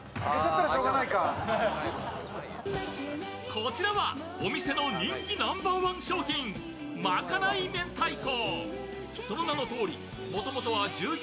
こちらはお店の人気ナンバーワン商品、まかない明太子。